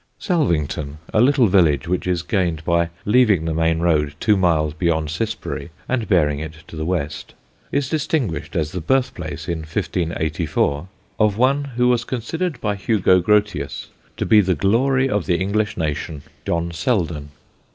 Salvington (a little village which is gained by leaving the main road two miles beyond Cissbury and bearing to the west) is distinguished as the birthplace, in 1584, of one who was considered by Hugo Grotius to be the glory of the English nation John Selden.